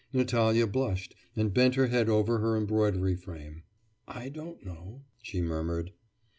Natalya blushed, and bent her head over her embroidery frame. 'I don't know,' she murmured.